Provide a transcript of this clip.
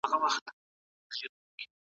دغه مڼه ډېره پخه ده.